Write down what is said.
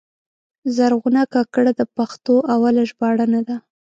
زرغونه کاکړه د پښتو اوله ژباړنه ده.